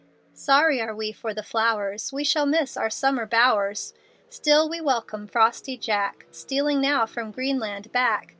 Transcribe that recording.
Sorry are we for the flowers; We shall miss our summer bowers; Still we welcome frosty Jack, Stealing now from Greenland back.